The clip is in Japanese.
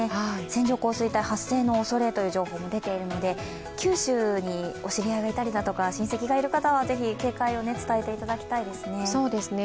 線状降水帯発生のおそれという情報も出ているので九州にお知り合いがいたり親戚がいる方はぜひ、警戒を伝えていただきたいですね。